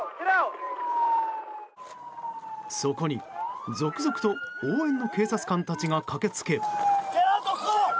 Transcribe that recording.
そこに続々と応援の警察官たちが駆け付け。